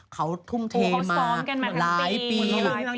เขาทุ่มเทมาหลายปี